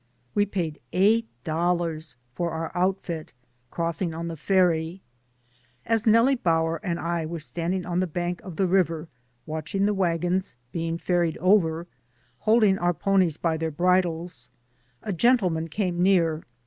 We paid eight dollars for our outfit crossing on the ferry. As Nellie Bower and I were standing on the bank of the river watch ing the wagons being ferried over, holding our ponies by their bridles, a gentleman came near.